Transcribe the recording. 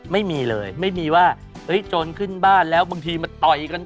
ไม่มีเลยไม่มีว่าเฮ้ยโจรขึ้นบ้านแล้วบางทีมาต่อยกัน